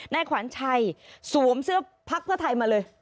นายขวัญชัยสวมเสื้อพักเพื่อไทยมาเลย